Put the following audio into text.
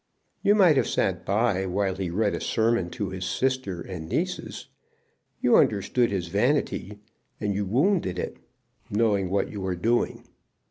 "You might have sat by while he read a sermon to his sister and nieces. You understood his vanity, and you wounded it, knowing what you were doing.